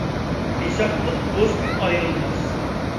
ھېسابلىق دوست ئايرىلماس.